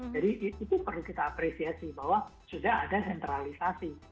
jadi itu perlu kita apresiasi bahwa sudah ada sentralisasi